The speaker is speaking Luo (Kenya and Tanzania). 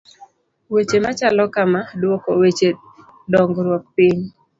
Weche machalo kama, duoko weche dongruok piny.